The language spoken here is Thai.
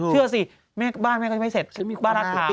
เชื่อสิบ้านแม่ก็จะไม่เสร็จบ้านรักท้าว่ะ